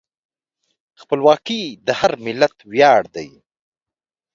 خپلواکي د هر ملت ویاړ دی.